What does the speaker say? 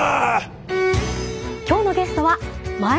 今日のゲストは眞栄田